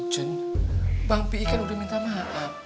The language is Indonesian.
jen bang p i kan udah minta maaf